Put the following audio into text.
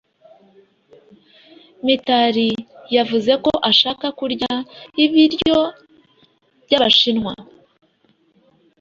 Mitari yavuze ko ashaka kurya ibiryo by'Abashinwa.